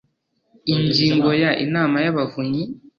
Ingingo ya Inama y Abavunyi